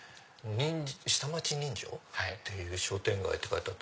下町人情っていう商店街って書いてあって。